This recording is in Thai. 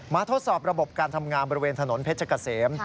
ทดสอบระบบการทำงานบริเวณถนนเพชรเกษม